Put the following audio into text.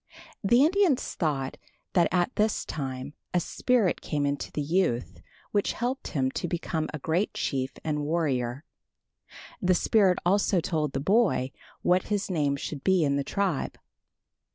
The Indians thought that at this time a spirit came into the youth which helped him to become a great chief and warrior. The spirit also told the boy what his name should be in the tribe.